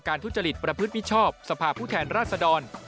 การทุจจลิตประพฤติผิดชอบสภาพผู้แทนราษฎร